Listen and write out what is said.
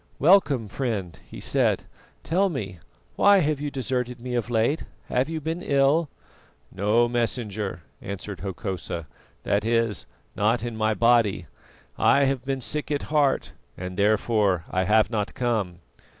"Welcome, friend," he said. "Tell me, why have you deserted me of late? Have you been ill?" "No, Messenger," answered Hokosa, "that is, not in my body. I have been sick at heart, and therefore I have not come."